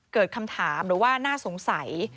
เกิดคำถามหรือว่าน่าสงสัย